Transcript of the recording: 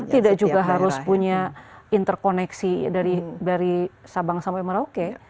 tidak juga harus punya interkoneksi dari sabang sampai merauke